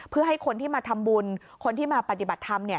เพื่อให้คนที่มาทำบุญคนที่มาปฏิบัติธรรมเนี่ย